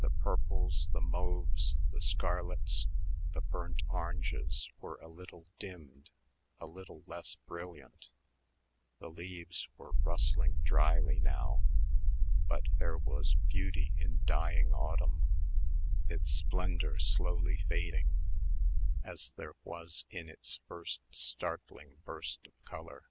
The purples, the mauves, the scarlets, the burnt oranges were a little dimmed, a little less brilliant the leaves were rustling dryly now but there was beauty in dying autumn, its splendor slowly fading, as there was in its first startling burst of color.